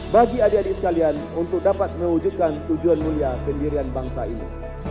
bagi adik adik sekalian untuk dapat mewujudkan tujuan mulia pendirian bangsa ini